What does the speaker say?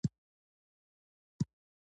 بې واسطې کار نه خلاصوي.